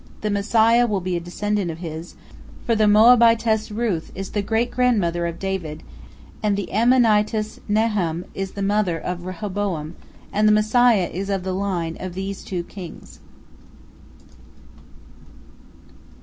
The Messiah will be a descendant of his, for the Moabitess Ruth is the great grandmother of David, and the Ammonitess Naamah is the mother of Rehoboam, and the Messiah is of the line of these two kings.